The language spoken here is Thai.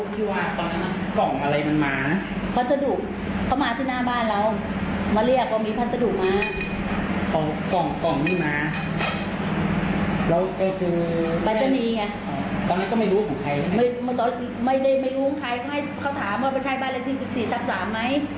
ตอนนี้ก็ไม่รู้ของใครไม่รู้ของใครเขาถามว่าเป็นใช่บ้านในที่สิบสี่จับสามไหม